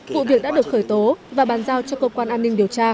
vụ việc đã được khởi tố và bàn giao cho cơ quan an ninh điều tra